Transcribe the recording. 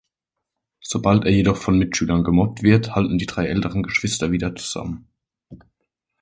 Sobald er jedoch von Mitschülern gemobbt wird, halten die drei älteren Geschwister wieder zusammen.